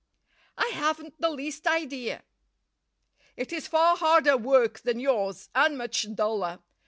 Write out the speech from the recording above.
"I haven't the least idea." "It is far harder work than yours, and much duller.